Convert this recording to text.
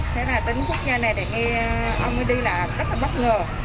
thế là tính phút nha này để nghe ông ấy đi là rất là bất ngờ